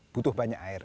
butuh banyak air